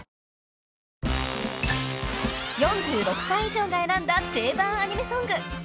［４６歳以上が選んだ定番アニメソング］